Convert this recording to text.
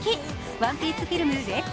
「ＯＮＥＰＩＥＣＥＦＩＬＭＲＥＤ」。